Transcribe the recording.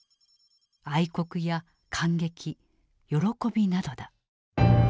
「愛国」や「感激」「喜び」などだ。